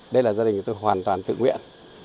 đây là gia đình tôi hoàn toàn tự nguyện